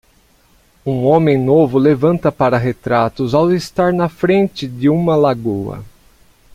Um homem novo levanta para retratos ao estar na frente de uma lagoa.